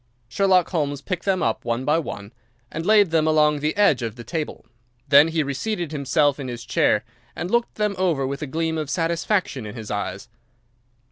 Sherlock Holmes picked them up one by one, and laid them along the edge of the table. Then he reseated himself in his chair and looked them over with a gleam of satisfaction in his eyes.